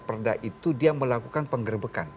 perda itu dia melakukan penggerbekan